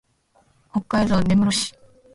北海道根室市